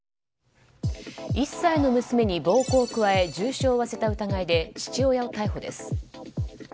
１歳の娘に暴行を加え重傷を負わせた疑いで父親を逮捕です。